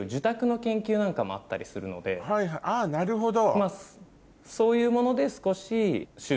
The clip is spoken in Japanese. あなるほど。